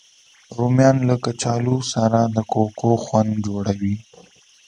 رومیان له کچالو سره د کوکو خوند جوړوي